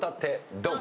ドン！